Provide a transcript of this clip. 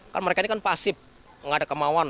kan mereka ini kan pasif nggak ada kemauan